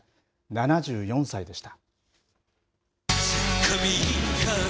７４歳でした。